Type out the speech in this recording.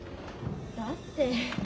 だって。